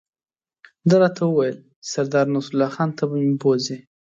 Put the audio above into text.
ده راته وویل چې سردار نصرالله خان ته به مې بوزي.